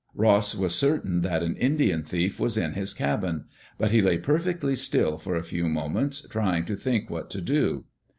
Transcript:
Ross was certain that an Indian thief was in his cabin; but he lay perfectly still for a few moments trying to think what to do.